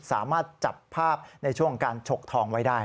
สามารถจับภาพในช่วงการฉกทองไว้ได้